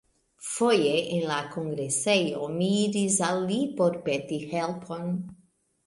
Foje en la kongresejo mi iris al li por peti helpon.